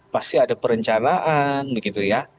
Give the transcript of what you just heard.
pasti ada perencanaan begitu ya